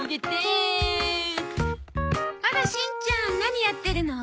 あらしんちゃん何やってるの？